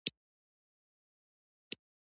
د داستانونو لیکل او خپرول په کلکه تعقیب کېدل